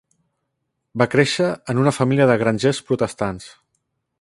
Va créixer en una família de grangers protestants.